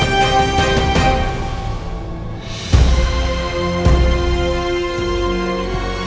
jangan lupa untuk melihat laman fb ys